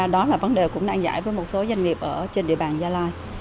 đó là vấn đề cũng nan giải với một số doanh nghiệp ở trên địa bàn gia lai